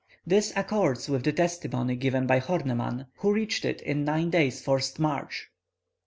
This accords with the testimony given by Horneman, who reached it in nine days' forced march.